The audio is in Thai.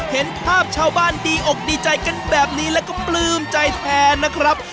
เห็นภาพชาวบ้านดีอกดีใจกันแบบนี้แล้วก็ปลื้มใจแทนนะครับ